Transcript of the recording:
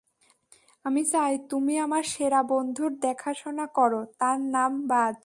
আমি চাই, তুমি আমার সেরা বন্ধুর দেখাশোনা করো, তার নাম বায।